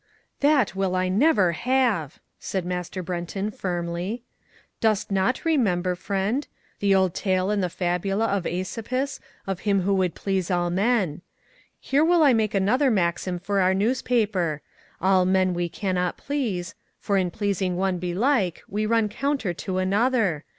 "That will I never have!" said Master Brenton firmly, "dost not remember, friend, the old tale in the fabula of Aesopus of him who would please all men. Here will I make another maxim for our newspaper. All men we cannot please, for in pleasing one belike we run counter to another.